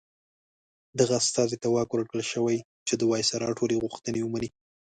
دغه استازي ته واک ورکړل شوی چې د وایسرا ټولې غوښتنې ومني.